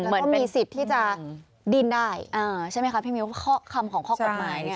ก็มีสิทธิ์ที่จะดิ้นได้ใช่ไหมคะพี่มิ้วข้อคำของข้อกฎหมายเนี่ย